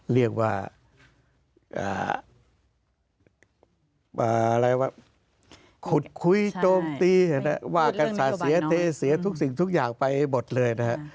เรียกว่าขุดคุยโจมตีว่ากันสาดเสียเทเสียทุกสิ่งทุกอย่างไปหมดเลยนะฮะ